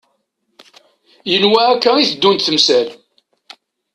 Yenwa akka i teddunt temsal.